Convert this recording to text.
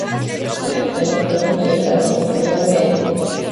ქუთაჰიის პროვინციის ადმინისტრაციული ცენტრი.